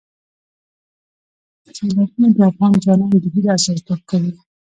سیلابونه د افغان ځوانانو د هیلو استازیتوب کوي.